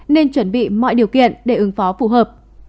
nên chuẩn bị mọi điều kiện để ứng phó phù hợp